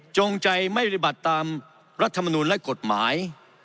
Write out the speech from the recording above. จงใจไม่ปฏิบัติตามรัฐมนูลและกฎหมาย